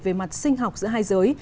về mặt sinh học giữa hai giới